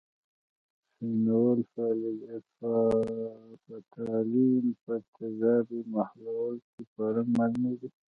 فینول فتالین په تیزابي محلول کې په رنګ معلومیږي.